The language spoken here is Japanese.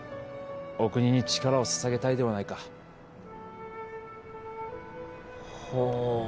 お国に力を捧げたいではないかはあ